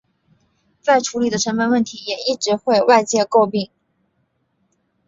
再处理的成本问题也一直为外界诟病。